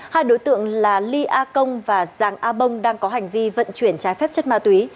hai đối tượng là ly a công và giàng a bông đang có hành vi vận chuyển trái phép chất ma túy